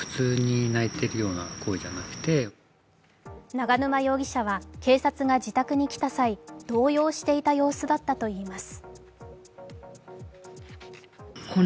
永沼容疑者は警察が自宅に来た際動揺していた様子だったといいます。